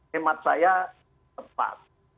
khemat saya sempat